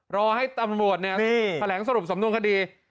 รอให้ตำรวจเนี่ยแถลงสรุปสำนวนคดี